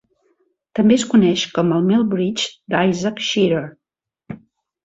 També es coneix com el Mill Bridge d'Isaac Shearer.